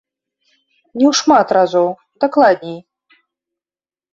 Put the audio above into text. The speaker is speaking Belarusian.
Не ў шмат разоў, дакладней.